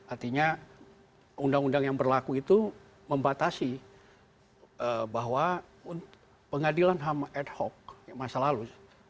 artinya undang undang yang berlaku itu membatasi bahwa pengadilan ham ad hoc masa lalu